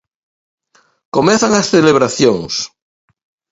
Comezan as celebracións.